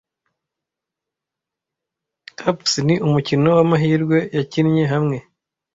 Craps ni umukino wamahirwe yakinnye hamwe.